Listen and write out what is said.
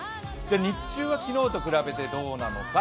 日中は昨日と比べてどうなのか。